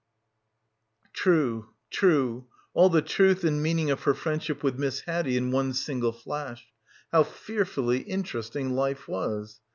True. True. All the truth and meaning of her friendship with Miss Haddie in one single flash. How fearfully interesting life was.